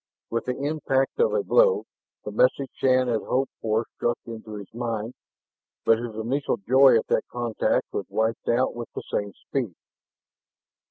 With the impact of a blow, the message Shann had hoped for struck into his mind. But his initial joy at that contact was wiped out with the same speed.